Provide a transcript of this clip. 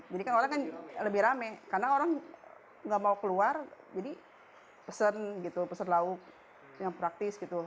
jadi kan orang kan lebih rame karena orang nggak mau keluar jadi pesan gitu pesan lauk yang praktis gitu